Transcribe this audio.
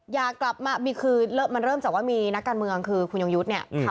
อยากกลับมามีคือมันเริ่มจากว่ามีนักการเมืองคือคุณยงยุทธ์เนี่ย